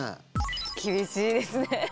厳しいですね。